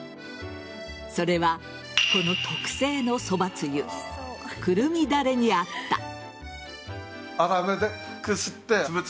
それは、この特製のそばつゆクルミだれにあった。